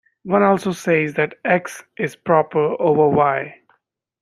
One also says that "X" is proper over "Y".